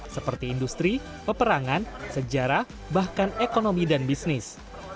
seperti industri peperangan sejarah bahkan ekonomi dan bisnis